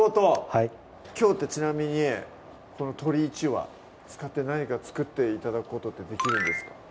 はいきょうってちなみにこの鶏１羽使って何か作って頂くことってできるんですか？